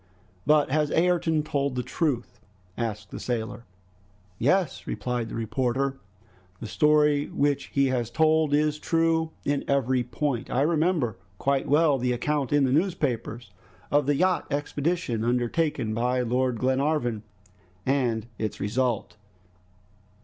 "But has Ayrton told the truth?" asked the sailor. "Yes," replied the reporter. "The story which he has told is true in every point. I remember quite well the account in the newspapers of the yacht expedition undertaken by Lord Glenarvan, and its result."